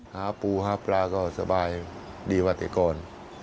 หาปูหาปลาก็สบายดีกว่าแต่ก่อน